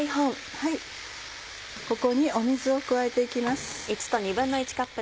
ここに水を加えて行きます。